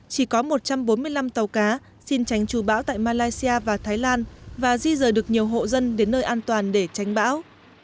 chỉ có một trăm bốn mươi năm tàu cá xin tránh trù bão tại malaysia và thái lan và di rời được nhiều hộ dân đến nơi an toàn để tránh bão